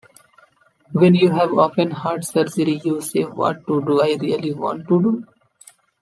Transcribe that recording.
When you have open-heart surgery, you say, what do I really want to do?